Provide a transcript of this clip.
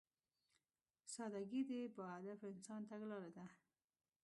سادهګي د باهدفه انسان تګلاره ده.